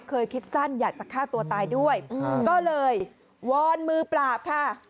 เคยคิดสั้นอยากจะฆ่าตัวตายด้วยก็เลยวอนมือปราบค่ะ